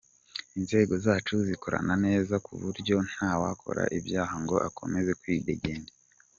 Inzego zacu zikorana neza ku buryo nta wakora ibyaha ngo akomeze kwidegembya.